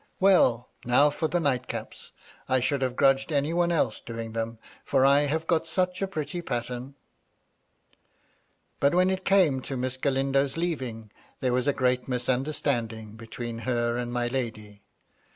Well, now for the nightcaps. I should have grudged any one else doing them, for I have got such a pretty pattern !" But, when it came to Miss Galindo's leaving, there was a great misunderstanding between her and my VOL. I. o 290 • MY LADY LUDLOW. lady.